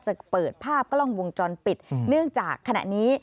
จะเปิดภาพกล้องวงจรปิดเนื่องจากขณะนี้